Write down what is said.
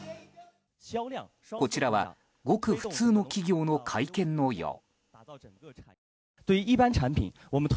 こちらはごく普通の企業の会見のよう。